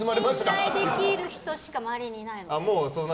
信頼できる人しか周りにいないので。